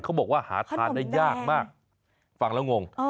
เขาบอกว่าหาทานได้ยากมากฟังแล้วงง